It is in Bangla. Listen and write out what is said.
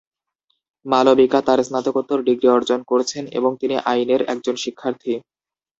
মালবিকা তার স্নাতকোত্তর ডিগ্রি অর্জন করছেন এবং তিনি আইনের একজন শিক্ষার্থী।